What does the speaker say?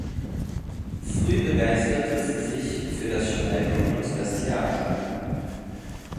Früh begeisterte sie sich für das Schreiben und das Theater.